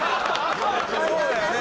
そうだよね。